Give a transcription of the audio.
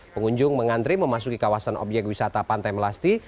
pengunjung mengantri memasuki kawasan obyek wisata pantai melasti